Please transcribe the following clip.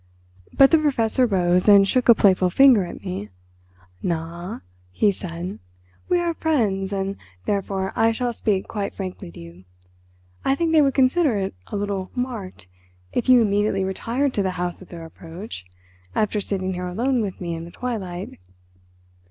But the Professor rose and shook a playful finger at me. "Na," he said, "we are friends, and, therefore, I shall speak quite frankly to you. I think they would consider it a little 'marked' if you immediately retired to the house at their approach, after sitting here alone with me in the twilight.